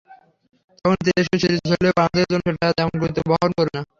তখন ত্রিদেশীয় সিরিজ হলেও বাংলাদেশের জন্য সেটা তেমন গুরুত্ব বহন করবে না।